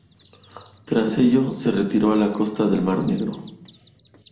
Tras ello se retiró a la costa del mar Negro.